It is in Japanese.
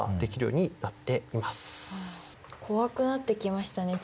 怖くなってきましたねちょっと。